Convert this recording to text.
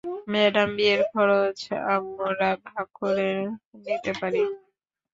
Madam, বিয়ের খরচ আমরা ভাগ করে নিতে পারি।